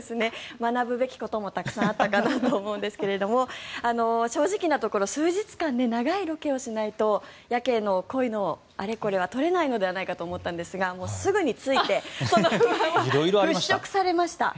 学ぶべきこともたくさんあったかなと思うんですけども正直なところ数日間で長いロケをしないとヤケイの恋のあれこれは撮れないのではないかと思ったんですが着いてすぐにその不安は払しょくされました。